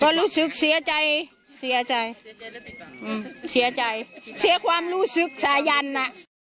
ก็รู้สึกเสียใจเสียใจเสียใจเสียความรู้สึกสายันนะ